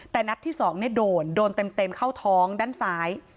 แต่นัดที่๒โดนโดนเต็มเข้าท้องด้านซ้าย